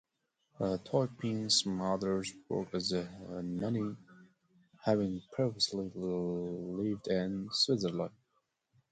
Taupin's mother worked as a nanny, having previously lived in Switzerland.